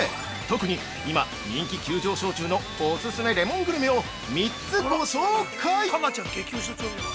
特に今、人気急上昇中のおすすめレモングルメを３つご紹介。